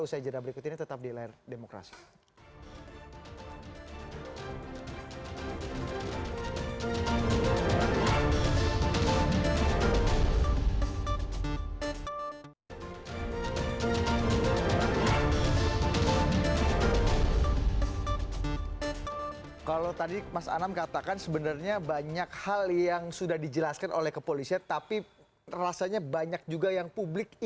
usaha general berikut ini tetap di layar demokrasi